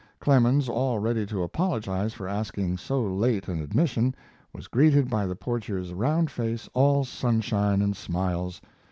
Clemens, all ready to apologize for asking so late an admission, was greeted by the portier's round face all sunshine and smiles.